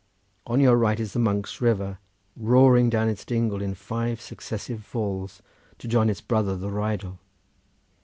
On your right is the Monks' River, roaring down its dingle in five successive falls, to join its brother the Rheidol.